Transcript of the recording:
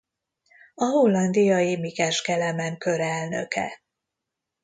A hollandiai Mikes Kelemen Kör elnöke.